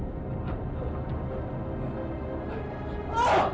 udah kamu masak sana